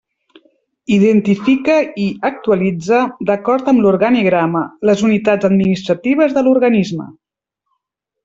Identifica i actualitza, d'acord amb l'organigrama, les unitats administratives de l'organisme.